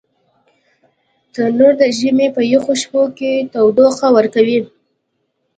تنور د ژمي په یخو شپو کې تودوخه ورکوي